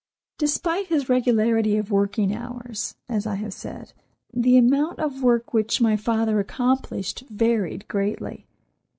Despite his regularity of working hours, as I have said, the amount of work which my father accomplished varied greatly.